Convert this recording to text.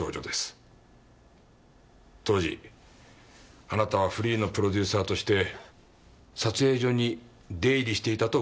当時あなたはフリーのプロデューサーとして撮影所に出入りしていたと伺いました。